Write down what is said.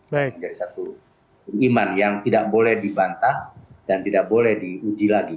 menjadi satu iman yang tidak boleh dibantah dan tidak boleh diuji lagi